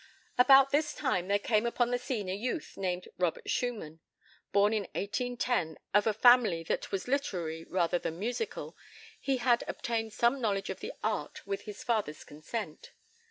About this time there came upon the scene a youth named Robert Schumann. Born in 1810, of a family that was literary rather than musical, he had obtained some knowledge of the art with his father's consent.